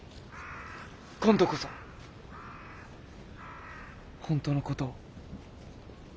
今度こそ本当のことを。